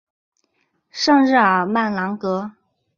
圣日尔曼朗戈。